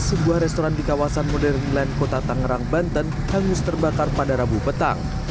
sebuah restoran di kawasan modern land kota tangerang banten hangus terbakar pada rabu petang